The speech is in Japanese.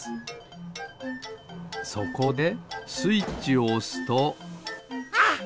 そこでスイッチをおすとあっ！